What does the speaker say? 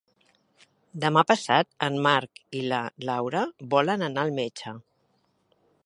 Demà passat en Marc i na Laura volen anar al metge.